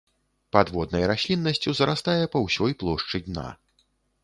Падводнай расліннасцю зарастае па ўсёй плошчы дна.